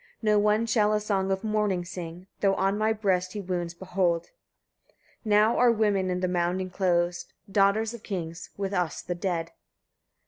No one shall a song of mourning sing, though on my breast he wounds behold. Now are women in the mound enclosed, daughters of kings, with us the dead.